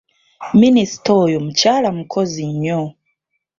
Minisita oyo mukyala mukozi nnyo.